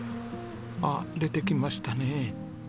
あっ出てきましたねえ。